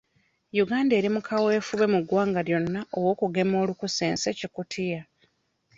Uganda eri mu kaweefube mu ggwanga lyonna ow'okugema olunkusense-Kikutiya.